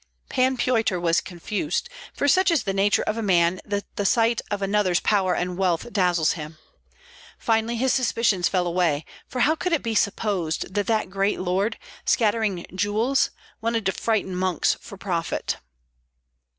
Pan Pyotr was confused; for such is the nature of man that the sight of another's power and wealth dazzles him. Finally his suspicions fell away, for how could it be supposed that that great lord, scattering jewels, wanted to frighten monks for profit.